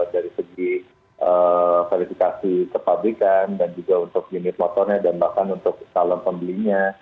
dari segi verifikasi kepabrikan dan juga untuk unit motornya dan bahkan untuk salon pembelinya